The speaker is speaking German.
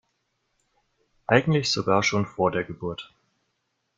Eigentlich sogar schon vor der Geburt.